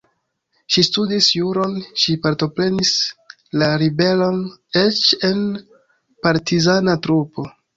Ŝi studis juron, ŝi partoprenis la ribelon, eĉ en partizana trupo.